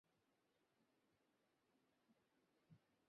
এরপর কয়েকজন লোক পশ্চিমবঙ্গের কলকাতায় তাঁদের মহিম ফকিরের কাছে পৌঁছে দেন।